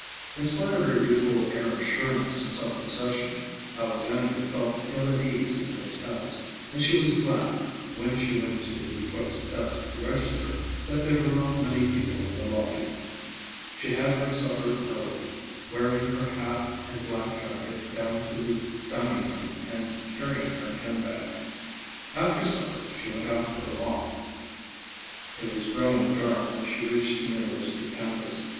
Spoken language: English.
In spite of her usual air of sureness and self possession, Alexandra felt ill at ease in hotels, and she was glad, when she went to the clerk's desk to register, that there were not many people in the lobby. She had her supper early, wearing her hat and black jacket down to the dining room and carrying her handbag. After supper she went out for a walk. It was growing dark when she reached the university campus.